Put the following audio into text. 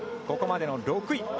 ここまでの６位。